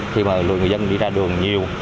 khi mà người dân đi ra đường nhiều